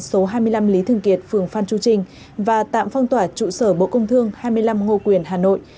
số hai mươi năm lý thường kiệt phường phan chu trinh và tạm phong tỏa trụ sở bộ công thương hai mươi năm ngô quyền hà nội